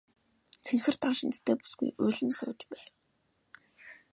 Цэнхэр даашинзтай бүсгүй уйлан сууж байв.